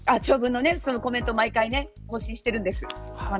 長文のコメントを毎回更新しています。